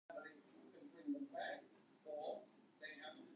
Dat hinget ôf fan de kontekst.